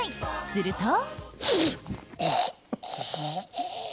すると。